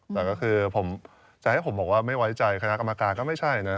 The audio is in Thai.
แต่ก็คือผมจะให้ผมบอกว่าไม่ไว้ใจคณะกรรมการก็ไม่ใช่นะ